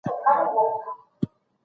پلان هدف واضح کوي